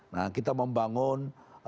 nah kita membangun